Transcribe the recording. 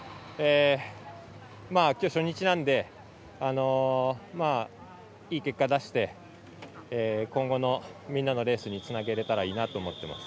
きょう、初日なのでいい結果を出して今後のみんなのレースにつなげられたらいいなと思っています。